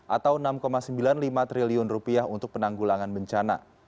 atau rp enam sembilan puluh lima triliun untuk penanggulangan bencana